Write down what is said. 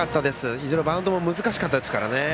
非常にバウンドも難しかったですからね。